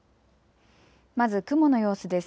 まず雲の様子です。